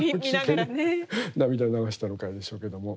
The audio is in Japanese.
涙流したのでしょうけども。